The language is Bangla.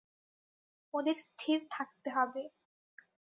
ওদের স্থির থাকতে হবে।